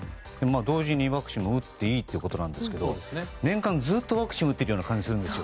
同時にワクチンを打っていいということですが年間ずっとワクチンを打ってるような気がするんです。